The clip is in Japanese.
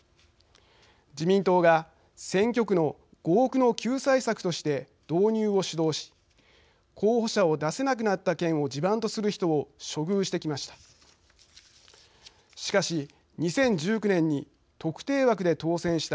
自民党が選挙区の合区の救済策として導入を主導し候補者を出せなくなった県を地盤とする人を処遇してきました。